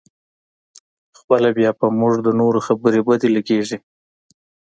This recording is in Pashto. خپله بیا په موږ د نورو خبرې بدې لګېږي.